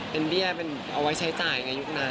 เป็นเบี้ยเป็นเอาไว้ใช้จ่ายในยุคนั้น